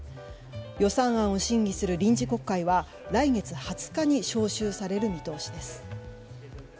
予算案を審議する臨時国会は来月２０日に召集される見通しです。